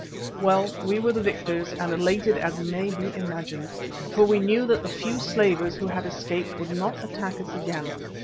Well, we were the victors and elated as may be imagined, for we knew that the few slavers who had escaped would not attack us again.